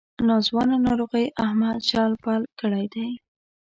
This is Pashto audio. ناځوانه ناروغۍ احمد شل پل کړی دی.